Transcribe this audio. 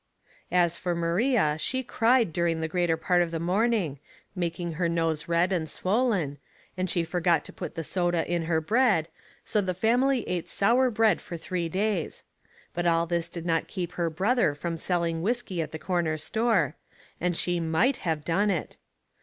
As for Maria she cried during the greater part Light without Logic* 121 of the morning, makinc^ her nose red and swollen, an'.l ^ orgot to put the vsoda in ber bread, JO .uti lamily ate sour bread for three days ; but all this did not keep her brother from selling whiskey at the corner store, and she might have done it.